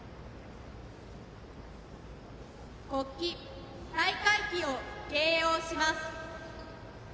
国旗・大会旗を掲揚します。